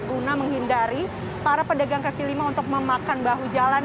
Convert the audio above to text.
guna menghindari para pedagang kaki lima untuk memakan bahu jalan